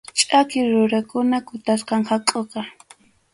Ch’aki rurukuna kutasqam hakʼuqa.